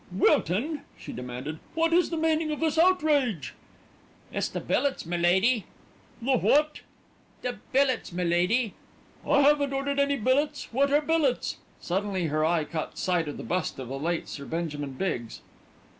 "Wilton," she demanded, "what is the meaning of this outrage?" "It's the billets, my lady." "The what?" "The billets, my lady." "I haven't ordered any billets. What are billets?" Suddenly her eye caught sight of the bust of the late Sir Benjamin Biggs.